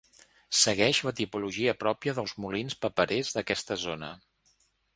Segueix la tipologia pròpia dels molins paperers d'aquesta zona.